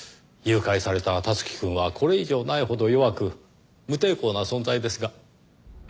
誘拐された樹くんはこれ以上ないほど弱く無抵抗な存在ですが。